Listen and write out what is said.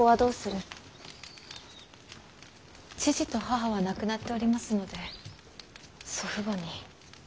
父と母は亡くなっておりますので祖父母に。